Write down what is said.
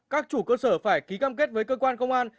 các chủ cơ sở phải ký cam kết với cơ quan công an